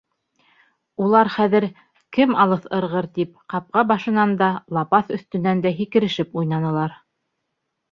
Улар хәҙер, «кем алыҫ ырғыр» тип, ҡапҡа башынан да, лапаҫ өҫтөнән дә һикерешеп уйнанылар.